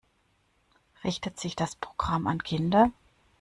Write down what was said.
Richtet sich das Programm an Kinder?